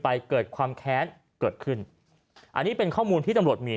เกิดความแค้นเกิดขึ้นอันนี้เป็นข้อมูลที่ตำรวจมี